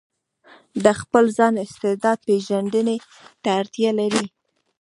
د خپل ځان استعداد پېژندنې ته اړتيا لري.